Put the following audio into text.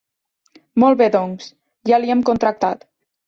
Molt bé, doncs ja li hem contractat.